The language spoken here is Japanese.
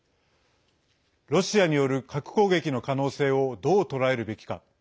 ロシアによる核攻撃の可能性をどう捉えるべきか。